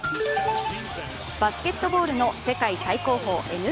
バスケットボールの世界最高峰ＮＢＡ。